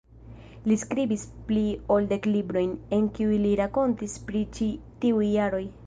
Li skribis pli ol dek librojn, en kiuj li rakontis pri ĉi tiuj jaroj.